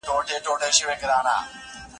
خدایزده چې پوه شوې کهنه؟